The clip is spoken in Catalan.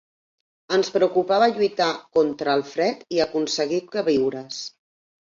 Ens preocupava lluitar contra el fred i aconseguir queviures.